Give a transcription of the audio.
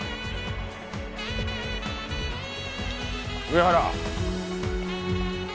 上原。